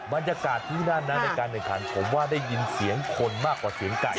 มันจะกะทิหน้านั้นในการในคันผมว่าได้ยินเสียงคนมากกว่าเสียงไก่